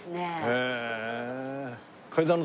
へえ！